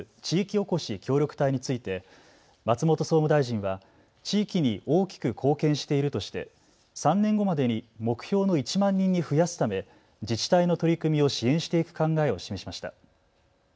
おこし協力隊について松本総務大臣は地域に大きく貢献しているとして３年後までに目標の１万人に増やすため自治体の取り組みを支援していく考えを示しました。